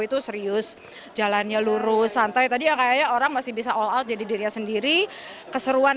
itu serius jalannya lurus santai tadi yang kayaknya orang masih bisa all out jadi dirinya sendiri keseruan